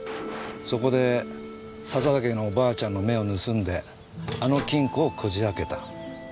そこで笹崎のおばあちゃんの目を盗んであの金庫をこじ開けた。